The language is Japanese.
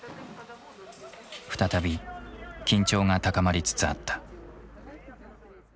再び緊張が高まりつつあった。